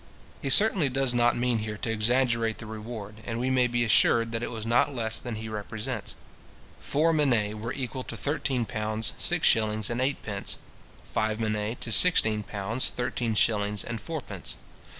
He certainly does not mean here to exaggerate the reward, and we may be assured that it was not less than he represents it. Four minae were equal to thirteen pounds six shillings and eightpence; five minae to sixteen pounds thirteen shillings and fourpence.